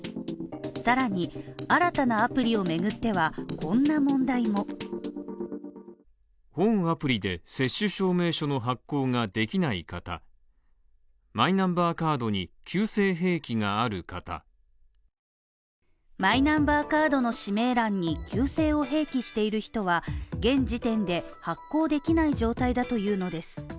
さらに、新たなアプリをめぐっては、こんな問題もマイナンバーカードの氏名欄に旧姓を併記している人は現時点で発行できない状態だというのです。